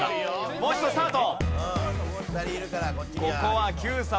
もう一度スタート。